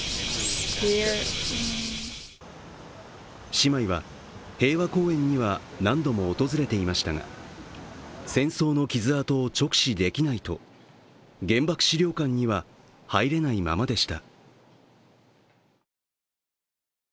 姉妹は平和公園には何度も訪れていましたが、戦争の傷痕を直視できないと原爆資料館には入れないままでした。